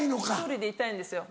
１人でいたいんですよ。